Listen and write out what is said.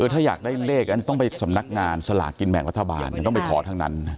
ถ้าอยากได้เลขต้องไปสำนักงานสลากกินแบ่งรัฐบาลต้องไปขอทั้งนั้น